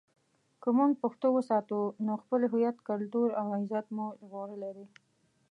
که موږ پښتو وساتو، نو خپل هویت، کلتور او عزت مو ژغورلی دی.